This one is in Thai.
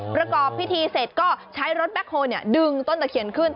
ประกอบพิธีเสร็จก็ใช้รถแบ็คโฮลดึงต้นตะเคียนขึ้น